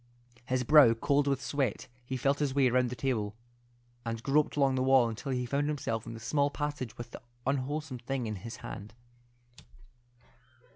His brow cold with sweat, he felt his way round the table, and groped along the wall until he found himself in the small passage with the unwholesome thing in his hand.